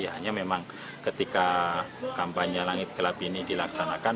hanya memang ketika kampanye langit gelap ini dilaksanakan